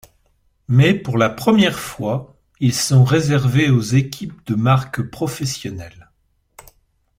Mais pour la première fois, ils sont réservés aux équipes de marques professionnelles.